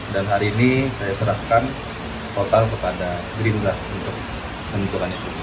dan hari ini saya serahkan total kepada gerindra untuk menentukan itu